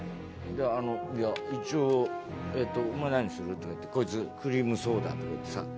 「いや一応お前何する？」とか言ってこいつ「クリームソーダ」とか言ってさ。